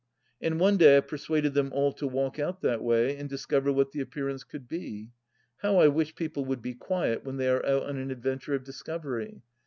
And one day I persuaded them all to walk out that way and discover what the appearance could be. How I wish people would be quiet when they are out on an ad venture of discovery